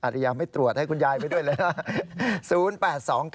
ริยาไม่ตรวจให้คุณยายไปด้วยเลยนะ